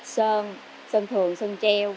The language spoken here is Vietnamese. sơn sơn thường sơn treo